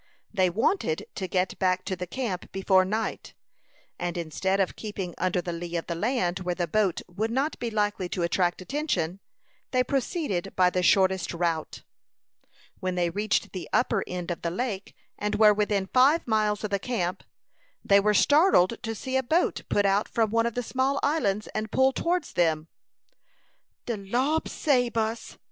They wanted to get back to the camp before night, and instead of keeping under the lee of the land, where the boat would not be likely to attract attention, they proceeded by the shortest route. When they reached the upper end of the lake, and were within five miles of the camp, they were startled to see a boat put out from one of the small islands, and pull towards them. "De Lo'd sabe us!"